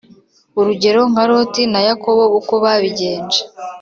urugero nka Loti na Yakobo uko babigenje